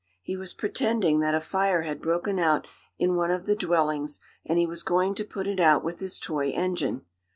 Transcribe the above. He was pretending that a fire had broken out in one of the dwellings and he was going to put it out with his toy engine.